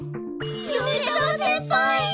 米沢先輩！